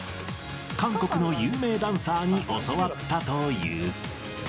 韓国の有名ダンサーに教わったという。